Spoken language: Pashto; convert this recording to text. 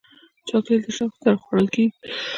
چاکلېټ له شوق سره خوړل کېږي.